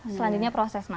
selanjutnya proses masak